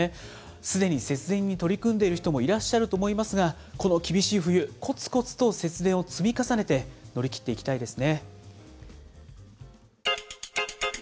すでに節電に取り組んでいる人もいらっしゃると思いますが、この厳しい冬、こつこつと節電を積み重ねて乗りきっていきたいですね。